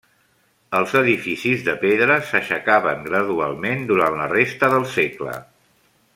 Els edificis de pedra s'aixecaven gradualment durant la resta del segle.